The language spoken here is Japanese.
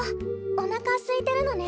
おなかすいてるのね。